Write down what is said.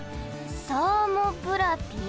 サーモブラピ？